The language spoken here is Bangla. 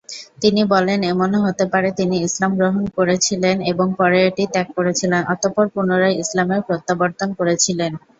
তিনি বলেন, এমনও হতে পারে, তিনি ইসলাম গ্রহণ করেছিলেন এবং পরে এটি ত্যাগ করেছিলেন, অতঃপর পুনরায় ইসলামে প্রত্যাবর্তন করেছিলেন।